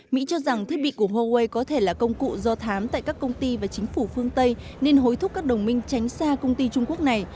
mỹ cho rằng thiết bị của huawei có thể là công cụ do thám tại các công ty và chính phủ phương tây nên hối thúc các đồng minh tránh xa công ty trung quốc này